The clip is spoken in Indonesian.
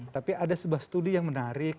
tapi ada sebuah studi yang menarik